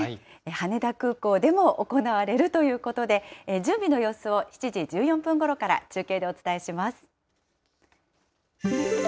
羽田空港でも行われるということで、準備の様子を７時１４分ごろから中継でお伝えします。